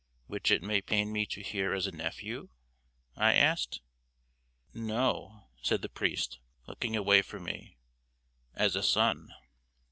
"Which it may pain me to hear as a nephew?" I asked. "No," said the priest, looking away from me, "as a son."